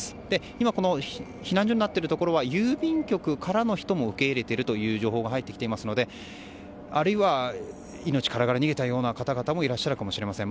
今この避難所になっているところは郵便局からの人も受け入れているという情報も入ってきていますのであるいは命からがら逃げたような方もいらっしゃるかもしれません。